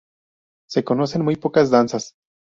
Se conocen muy pocas danzas.